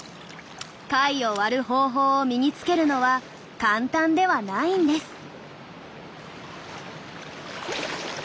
貝を割る方法を身につけるのは簡単ではないんです。